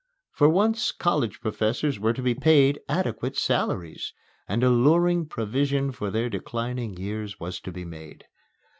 For once, college professors were to be paid adequate salaries, and alluring provision for their declining years was to be made.